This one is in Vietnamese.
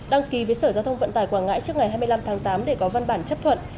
đăng ký với sở giao thông vận tải quảng ngãi trước ngày hai mươi năm tháng tám để có văn bản chấp thuận